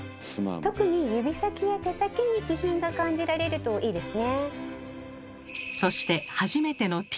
特に指先や手先に気品が感じられるといいですね。